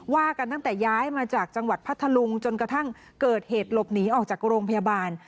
ว่ากันตั้งแต่ย้ายมาจากจังหวัดพัทธลุงจนกระทั่งเกิดเหตุหลบหนีออกจากโรงพยาบาล